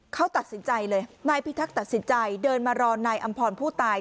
เขาตัดสินใจเลยนายพิทักษ์ตัดสินใจเดินมารอนายอำพรผู้ตาย